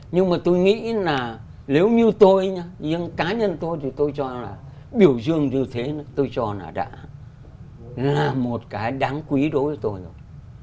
nhưng mà tôi nghĩ là nếu như tôi nhá nhưng cá nhân tôi thì tôi cho là biểu dương như thế tôi cho là đã là một cái đáng quý đối với tôi rồi